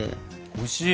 おいしい！